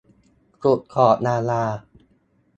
สุดขอบดารา